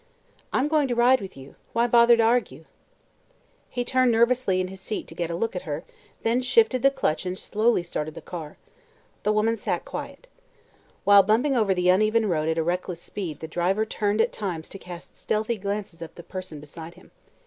"I'm going to ride with you. Why bother to argue?" He turned nervously in his seat to get a look at her, then shifted the clutch and slowly started the car. The woman sat quiet. While bumping over the uneven road at a reckless speed the driver turned at times to cast stealthy glances at the person beside him.